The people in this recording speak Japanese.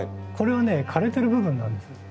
これはね枯れてる部分なんです。